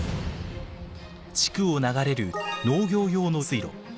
地区を流れる農業用の水路。